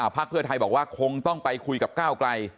พระเภอไทยบอกว่าคงต้องไปคุยกับก้าวกลาย